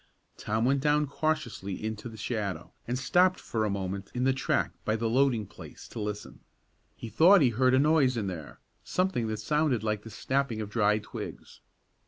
Tom went down cautiously into the shadow, and stopped for a moment in the track by the loading place to listen. He thought he heard a noise in there; something that sounded like the snapping of dry twigs.